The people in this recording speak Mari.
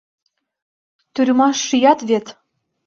Тюрьмаш шӱят вет.